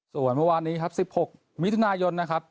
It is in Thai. ส่วนเมื่อวานนี้ครับ๑๖มิถุนายนนะครับ